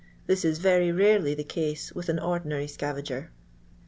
Tbis is very rarely the case witb an ordinary scai«ger.